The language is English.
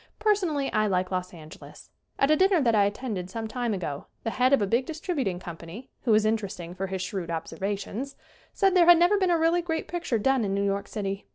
Per sonally I like Los Angeles. At a dinner that I attended some time ago the head of a big dis tributing company, who is interesting for his shrewd observations, said there had never been a really great picture done in New York City.